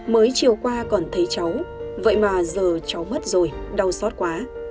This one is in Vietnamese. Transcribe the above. mới chiều qua còn thấy cháu vậy mà giờ cháu mất rồi đau xót quá